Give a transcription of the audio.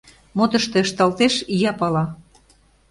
— Мо тыште ышталтеш — ия пала!